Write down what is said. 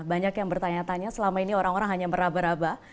banyak yang bertanya tanya selama ini orang orang hanya meraba raba